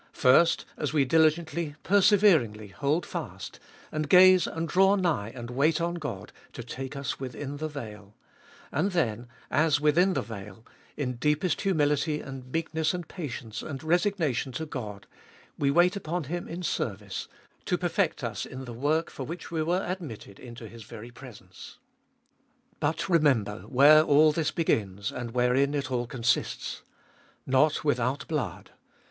First, as we diligently, perseveringly hold fast, and gaze and draw nigh and wait on God to take us within the veil; and then, as within the veil, in deepest humility and meekness and patience and resignation to God, we wait upon Him in service, to perfect 21 322 abe Ibolfest of Bit us in the work for which we were admitted into His very presence. But remember where all this begins, and wherein it all con sists. Not without blood